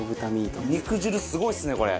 肉汁すごいですねこれ。